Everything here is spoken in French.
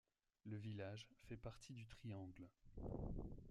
Le village fait partie du Triangle.